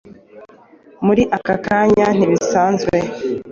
muri aka kanya ntibisanzwe.